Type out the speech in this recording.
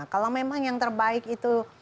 kalau memang yang terbaik itu